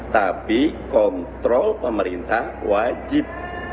tapi kontrol pemerintah wajib